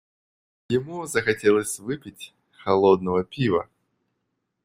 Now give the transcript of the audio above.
Ему захотелось выпить холодного пива.